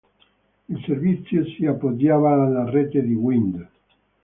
Il servizio si appoggiava alla rete di Wind.